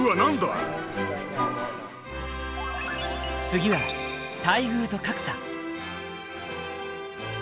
次は待遇と格差。